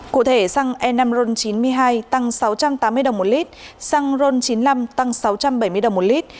cụ thể xăng enamron chín mươi hai tăng sáu trăm tám mươi đồng một lít xăng ron chín mươi năm tăng sáu trăm bảy mươi đồng một lít